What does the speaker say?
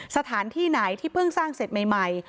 สถานที่ไหนที่เพิ่งสร้างเสร็จใหม่